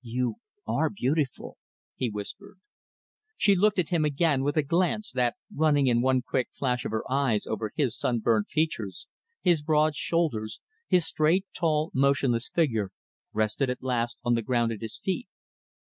"You are beautiful," he whispered. She looked at him again with a glance that running in one quick flash of her eyes over his sunburnt features, his broad shoulders, his straight, tall, motionless figure, rested at last on the ground at his feet.